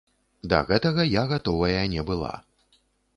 Да гэтага я гатовая не была.